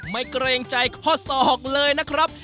เกรงใจข้อศอกเลยนะครับ